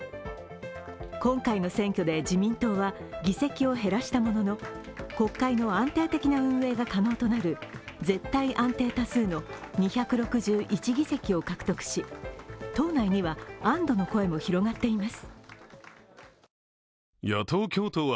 今回の選挙で自民党は議席を減らしたものの国会の安定的な運営が可能となる絶対安定多数の２６１議席を獲得し、党内には、安どの声も広がっています。